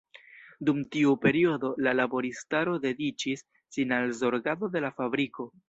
Dum tiu periodo, la laboristaro dediĉis sin al zorgado de la fabriko.